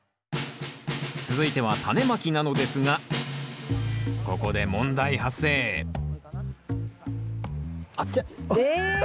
続いてはタネまきなのですがここで問題発生え？